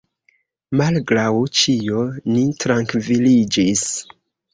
Malgraŭ ĉio, ni trankviliĝis.